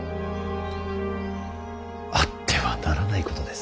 あってはならないことです。